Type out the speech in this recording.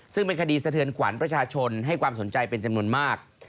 ซึ่งเป็นคดีสะเทือนขวัญประชาชนให้ความสนใจเป็นจำนวนมาก